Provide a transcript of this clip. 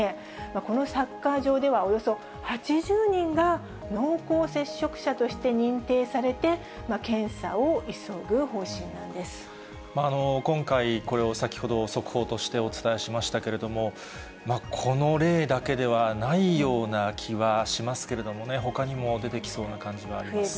このサッカー場では、およそ８０人が濃厚接触者として認定されて、検査を急ぐ方針なん今回、これを先ほど速報としてお伝えしましたけれども、この例だけではないような気はしますけれどもね、ほかにも出てきそうな感じはあります。